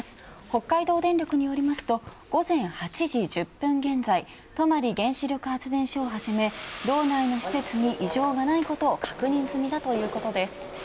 北海道電力によりますと午前８時１０分現在泊原子力発電所をはじめ道内の施設に異常がないことを確認済みだということです。